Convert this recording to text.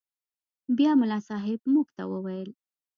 بيا ملا صاحب موږ ته وويل.